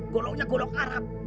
goloknya golok arab